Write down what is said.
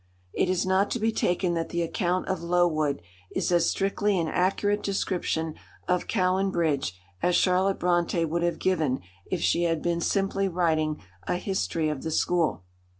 It is not to be taken that the account of "Lowood" is as strictly an accurate description of Cowan Bridge as Charlotte Brontë would have given if she had been simply writing a history of the school.